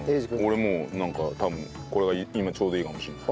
俺もうなんか多分これが今ちょうどいいかもしれない。